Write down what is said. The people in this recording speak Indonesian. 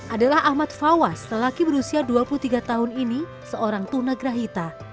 adalah ahmad fawaz lelaki berusia dua puluh tiga tahun ini seorang tunagrahita